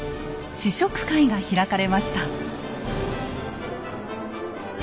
試食会が開かれました。